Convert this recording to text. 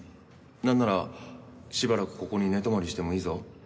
なんならしばらくここに寝泊まりしてもいいぞ。